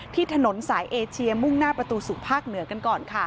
ถนนสายเอเชียมุ่งหน้าประตูสู่ภาคเหนือกันก่อนค่ะ